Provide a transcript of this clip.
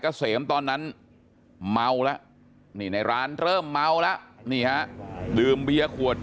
เกษมตอนนั้นเมาแล้วนี่ในร้านเริ่มเมาแล้วนี่ฮะดื่มเบียร์ขวด